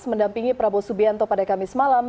mendampingi prabowo subianto pada kamis malam